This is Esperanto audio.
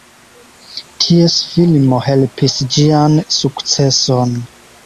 Ties filmo helpis ĝian sukceson.